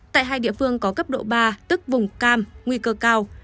tại hai địa phương có cấp độ ba tức vùng cam nguy cơ cao